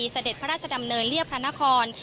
เสด็จพระราชดำเนินเรียบพระนคร